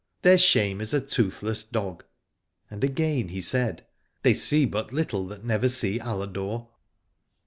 Their shame is a toothless dog ; and again he said, They see but little that never see Aladore.